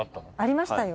ありましたよ。